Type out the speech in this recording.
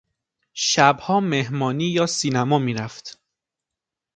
شبها مهمانی یا سینما میرفت.